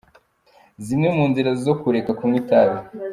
Zimwe mu nzira zo kureka kunywa itabi